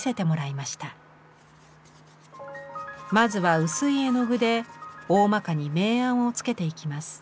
まずは薄い絵の具でおおまかに明暗をつけていきます。